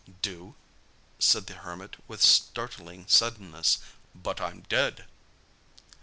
"Do?" said the Hermit with startling suddenness. "But I'm dead!"